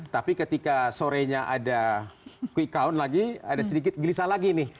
tapi ketika sorenya ada quick count lagi ada sedikit gelisah lagi nih